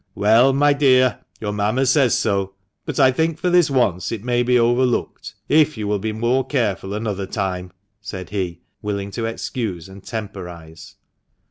" Well, my dear, your mamma says so ; but I think for this once it may be overlooked, if you will be more careful another time," said he, willing to excuse and temporise.